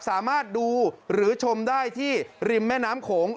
สามารถดูหรือชมได้ที่ริมแม่น้ำโขง